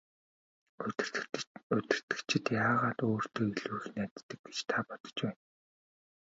Удирдагчид яагаад өөртөө илүү их найддаг гэж та бодож байна?